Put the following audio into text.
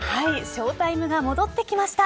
ショウタイムが戻ってきました。